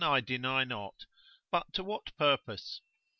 I deny not, but to what purpose?